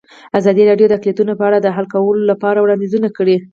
ازادي راډیو د اقلیتونه په اړه د حل کولو لپاره وړاندیزونه کړي.